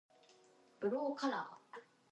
Breeding season is from August to December.